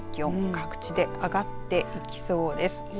各地で上がっていきそうです。